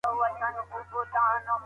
که څوک مړ سي نو محاسبه ورسره کیږي.